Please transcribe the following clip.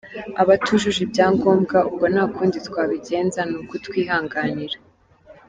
Abatujuje ibyangombwa ubwo nta kundi twabigenza ni ukutwihanganira.